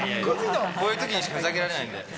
こういうときにしか、ふざけられないんで。